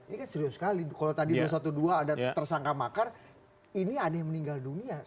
ini serius sekali kalau tadi ada satu dua ada tersangka makar ini ada yang meninggal dunia